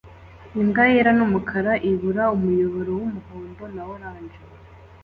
Imbwa yera n'umukara ibura umuyoboro w'umuhondo na orange